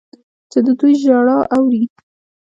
چې د دوی ژړا اوري.